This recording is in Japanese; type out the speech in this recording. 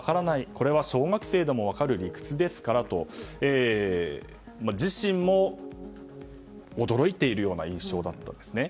これは小学生でも分かる理屈ですからと自身も驚いているような印象だったんですね。